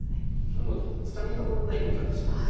なのでつかみどころのない碁になってしまうです